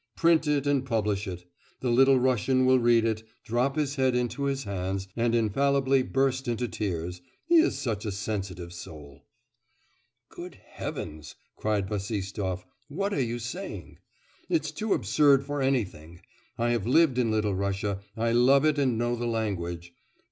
Print it and publish it. The Little Russian will read it, drop his head into his hands and infallibly burst into tears he is such a sensitive soul!' 'Good heavens!' cried Bassistoff. 'What are you saying? It's too absurd for anything. I have lived in Little Russia, I love it and know the language...